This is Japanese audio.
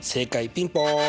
ピンポン！